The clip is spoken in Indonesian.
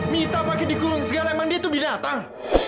mita pakai dikurung segala yang mana dia tuh binatang